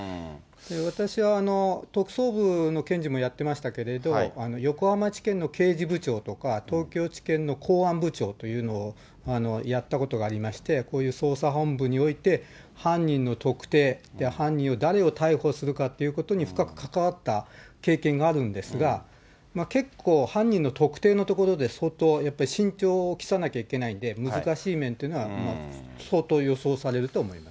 私は特捜部の検事もやってましたけども、横浜地検の刑事部長とか、東京地検の公安部長というのをやったことがありまして、こういう捜査本部において、犯人の特定、犯人を誰を逮捕するかということに深く関わった経験があるんですが、結構犯人の特定のところで相当、やっぱり慎重を期さなきゃいけないんで、難しい面というのは、相当予想されると思います。